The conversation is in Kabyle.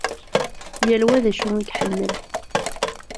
Yal wa d acu i iḥemmel.